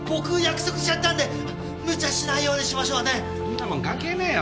そんなもん関係ねえよ。